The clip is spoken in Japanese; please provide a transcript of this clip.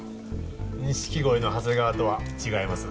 錦鯉の長谷川とは違います。